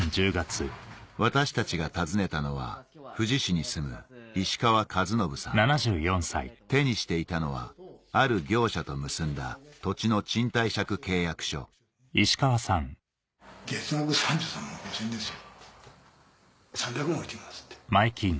私たちが訪ねたのは富士市に住む手にしていたのはある業者と結んだ土地の賃貸借契約書月額３３万５０００円ですよ。